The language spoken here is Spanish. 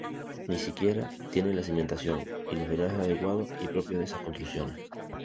Ni siquiera tienen la cimentación y los drenajes adecuados y propios de esas construcciones.